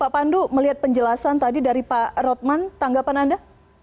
pak pandu melihat penjelasan tadi dari pak rotman tanggapan anda